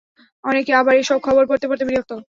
অনেকে আবার এসব খবর পড়তে পড়তে বিরক্ত।